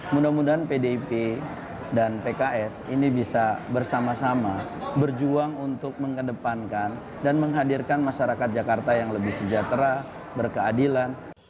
mudah mudahan pdip dan pks ini bisa bersama sama berjuang untuk mengedepankan dan menghadirkan masyarakat jakarta yang lebih sejahtera berkeadilan